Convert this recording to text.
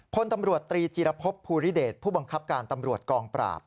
พลตำรวจตรีจีรพบภูริเดชผู้บังคับการตำรวจกองปราบ